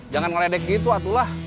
jangan ngeredek gitu atulah